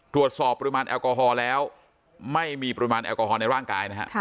ตรวจสอบปริมาณแอลกอฮอล์แล้วไม่มีปริมาณแอลกอฮอลในร่างกายนะฮะ